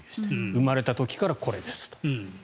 生まれた時からこれですと。